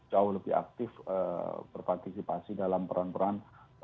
jauh lebih aktif berpartisipasi dalam peran peran